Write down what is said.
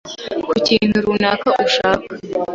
ku kintu runaka ushaka